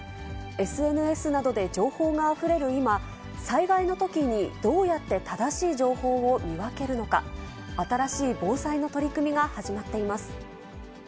ＳＮＳなどで情報があふれる今、災害のときにどうやって正しい情報を見分けるのか、新しい防災の取り組みが始まっています。